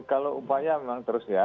kalau upaya memang terus ya